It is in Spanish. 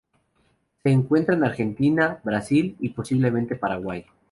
Se encuentra en Argentina, Brasil y posiblemente Paraguay.